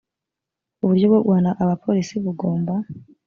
uburyo bwo guhana abapolisi bugomba